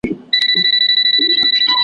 څوچي څاڅکي ترې تویېږي .